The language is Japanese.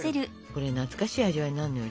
これ懐かしい味わいになるのよ